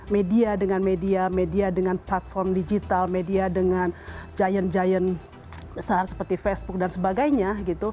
media dengan media media dengan platform digital media dengan giant giant besar seperti facebook dan sebagainya